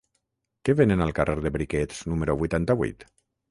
Què venen al carrer de Briquets número vuitanta-vuit?